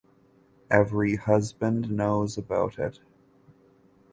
Every husband knows about it.